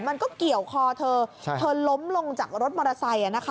มันก็เกี่ยวคอเธอเธอล้มลงจากรถมอเตอร์ไซค์